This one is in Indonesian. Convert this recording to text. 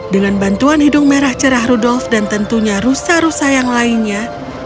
dengan bantuan hidung merah cerah rudolf dan tentunya rusa rusa yang lainnya